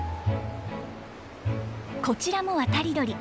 こちらも渡り鳥。